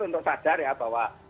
untuk sadar ya bahwa